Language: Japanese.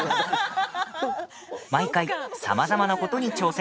毎回、さまざまなことに挑戦。